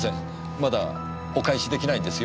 まだお返し出来ないんですよ。